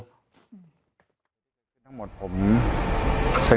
เสียงบอยรั้มโบ